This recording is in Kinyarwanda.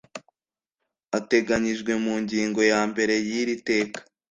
ateganyijwe mu ngingo ya mbere y iri teka